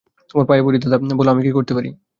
তোমার পায়ে পড়ি দাদা, বলো, আমি কী করতে পারি।